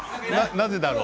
なぜだろう。